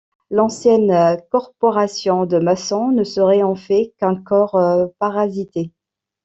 L'ancienne corporation de maçons ne serait en fait qu'un corps parasité.